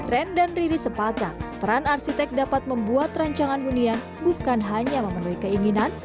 ren dan riri sepakat peran arsitek dapat membuat rancangan hunian bukan hanya memenuhi keinginan